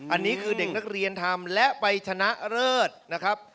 อันนี้คือเด็กนักเรียนทำและไปชนะเลิศนะครับ